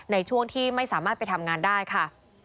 ในช่วงที่ไม่สามารถไปทำงานได้ค่ะ